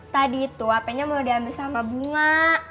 tadi itu hpnya mau diambil sama bunga